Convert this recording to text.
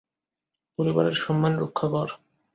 পরিবারের সম্মান রক্ষা কর।